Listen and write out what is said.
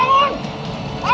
lepaskan diri kalian